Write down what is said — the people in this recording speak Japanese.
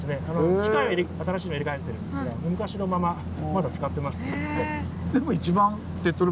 機械は新しいのを入れ替えてるんですが昔のまままだ使ってますので。